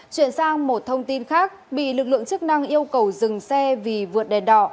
chuyển sang một thông tin khác bị lực lượng chức năng yêu cầu dừng xe vì vượt đèn đỏ